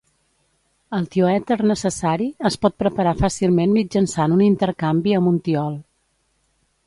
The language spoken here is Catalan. El tioèter necessari es pot preparar fàcilment mitjançant un intercanvi amb un tiol.